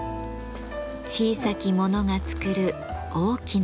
小さき者が作る大きな山。